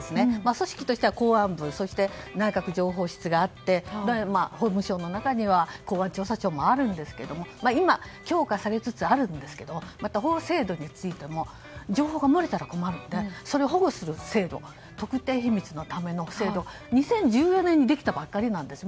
組織としては、公安部そして内閣情報室があって法務省の中には公安調査庁もあるんですけど今強化されつつあるんですけどもまた、法制度についても情報が漏れたら困るのでそれを保護する制度特定秘密のための制度が２０１４年にできたばっかりなんです。